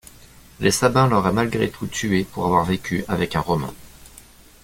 Les Sabins l'auraient malgré tout tuée pour avoir vécu avec un Romain.